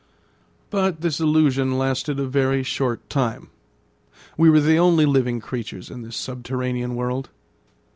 But this illusion lasted a very short time. We were the only living creatures in this subterranean world.